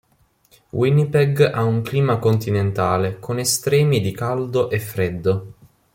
Winnipeg ha un clima continentale, con estremi di caldo e freddo.